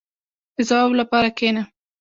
• د ځواب لپاره کښېنه.